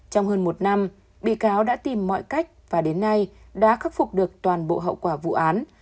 trong hơn một năm bị cáo đã tìm mọi cách và đến nay đã khắc phục được toàn bộ hậu quả vụ án